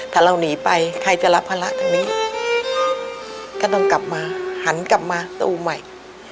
ถ้าเราหนีไปใครจะรับภาระทางนี้ก็ต้องกลับมาหันกลับมาตู้ใหม่